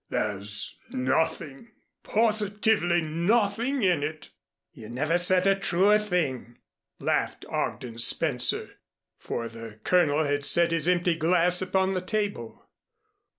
"There's nothing positively nothing in it." "You never said a truer thing," laughed Ogden Spencer, for the Colonel had set his empty glass upon the table.